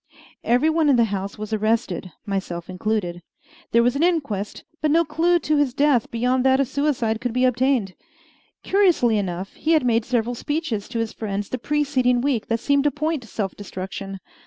Every one in the house was arrested, myself included. There was an inquest; but no clew to his death beyond that of suicide could be obtained. Curiously enough, he had made several speeches to his friends the preceding week that seemed to point to self destruction.